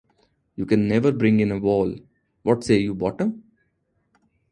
You can never bring in a wall. What say you, Bottom?